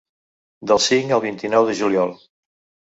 Del cinc al vint-i-nou de juliol.